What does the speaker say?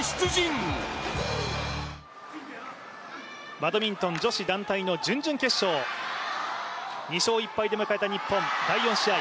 バドミントン女子団体の準々決勝。２勝１敗で迎えた日本第４試合